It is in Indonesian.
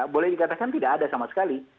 boleh dikatakan tidak ada sama sekali